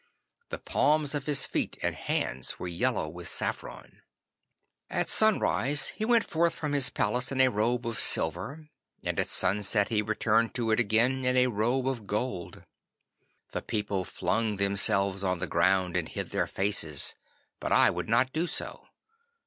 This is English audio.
The palms of his feet and hands were yellow with saffron. 'At sunrise he went forth from his palace in a robe of silver, and at sunset he returned to it again in a robe of gold. The people flung themselves on the ground and hid their faces, but I would not do so.